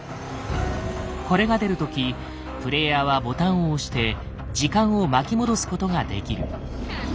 これが出る時プレイヤーはボタンを押して時間を巻き戻すことができる。